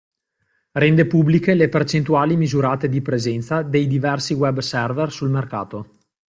Rende pubbliche le percentuali misurate di presenza dei diversi web server sul mercato.